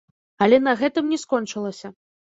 Але на гэтым не скончылася.